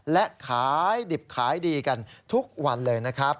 และขายดิบขายดีกันทุกวันเลยนะครับ